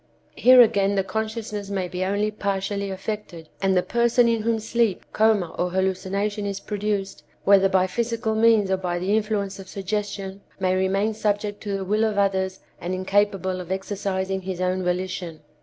Here again the consciousness may be only partially affected, and the person in whom sleep, coma or hallucination is produced, whether by physical means or by the influence of suggestion, may remain subject to the will of others and incapable of exercising his own volition."